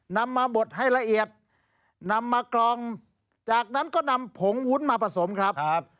นำมาบดให้ละเอียดนำมากรองจากนั้นก็นำผงวุ้นมาผสมครับ